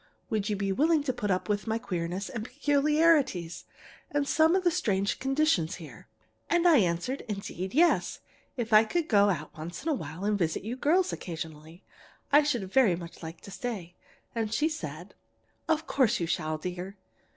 Would you be willing to put up with my queerness and peculiarities, and some of the strange conditions here?' And I answered, indeed, yes; if I could go out once in a while and visit you girls occasionally, I should very much like to stay. And she said: "'Of course you shall, dear.